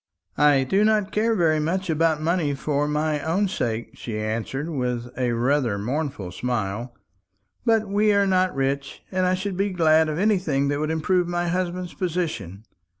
"I do not care very much about money for my own sake," she answered with rather a mournful smile; "but we are not rich, and I should be glad of anything that would improve my husband's position.